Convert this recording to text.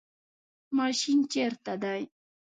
ماشین چیرته دی؟